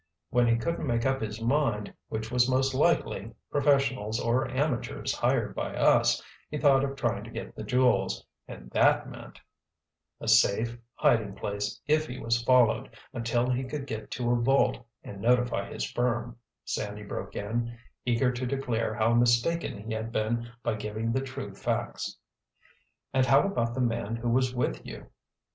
When he couldn't make up his mind which was most likely—professionals or amateurs hired by us—he thought of trying to get the jewels—and that meant——" "A safe hiding place if he was followed, until he could get to a vault and notify his firm," Sandy broke in, eager to declare how mistaken he had been by giving the true facts. "And how about the man who was with you?"